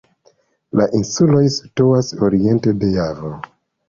La insuloj situas oriente de Javo.